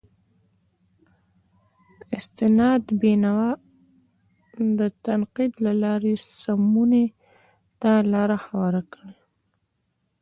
استناد بینوا د تنقید له لارې سمونې ته لار هواره کړه.